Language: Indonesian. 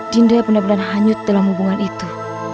dinda benar benar hanyut dalam hubungan itu